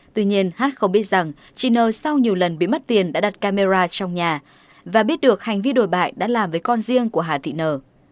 tuy nhiên hát không biết rằng chị nơ sau nhiều lần bị mất tiền đã đặt camera trong nhà và biết được hành vi đổi bại đã làm với con riêng của hà thị nờ